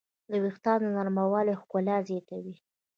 د وېښتیانو نرموالی ښکلا زیاتوي.